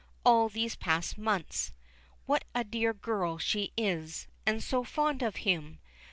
all these past months. What a dear girl she is, and so fond of him!